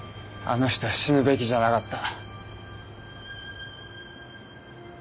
あの人は死ぬべきじゃなかった。